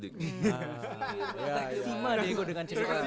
terima deh gue dengan cerita